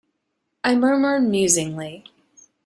I murmured musingly.